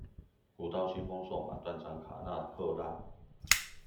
古道西風瘦馬，斷腸卡納赫拉